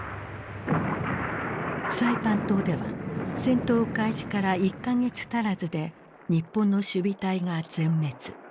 サイパン島では戦闘開始から１か月足らずで日本の守備隊が全滅。